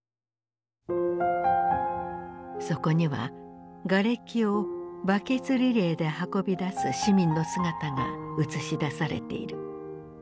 そこにはがれきをバケツリレーで運び出す市民の姿が映し出されている。